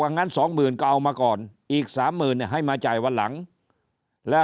ว่างั้น๒หมื่นก็เอามาก่อนอีก๓หมื่นให้มาจ่ายวันหลังแล้ว